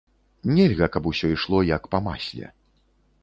Нельга, каб усё ішло як па масле.